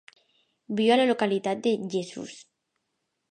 Viu a la localitat de Jesús.